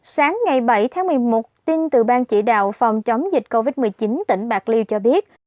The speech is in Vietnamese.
sáng ngày bảy tháng một mươi một tin từ ban chỉ đạo phòng chống dịch covid một mươi chín tỉnh bạc liêu cho biết